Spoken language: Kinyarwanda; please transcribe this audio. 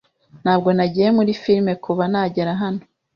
Ntabwo nagiye muri firime kuva nagera hano.